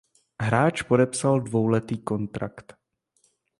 Hráč podepsal dvouletý kontrakt.